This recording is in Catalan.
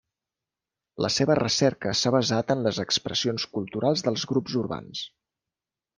La seva recerca s'ha basat en les expressions culturals dels grups urbans.